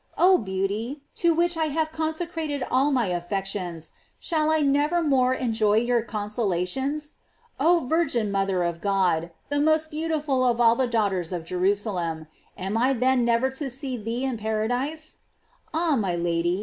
oh beauty ! to which I have consecrated all my affections, shall I never more enjoy your consolations? Oh Virgin mother of God, the most beautiful of all the daughters of Jerusalem, ami then never to see thee in paradise? Ah, my Lady!